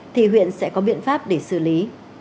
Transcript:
thì huyện sẽ có biện pháp để xử lý